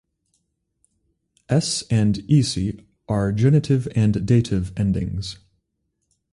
S and -isi are genitive and dative endings.